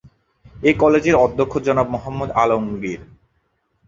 এ কলেজের অধ্যক্ষ জনাব মোহাম্মদ আলমগীর।